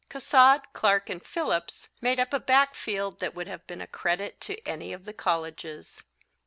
Casad, Clark and Phillips made up a backfield that would have been a credit to any of the colleges.